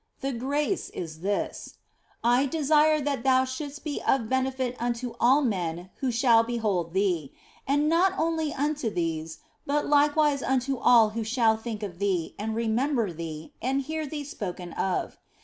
The grace is this : I desire that thou shouldst be of benefit unto all men who shall behold thee ; and not only unto these, but likewise unto all who shall think of thee and remember thee and hear thee spoken of.